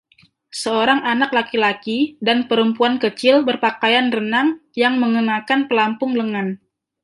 Seorang anak laki-laki dan perempuan kecil berpakaian renang yang mengenakan pelampung lengan.